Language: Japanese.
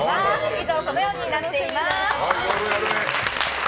以上、このようになっています。